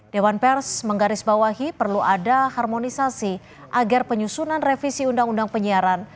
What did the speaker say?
dewan pers menggarisbawahi perlu ada harmonisasi agar penyusunan revisi undang undang penyiaran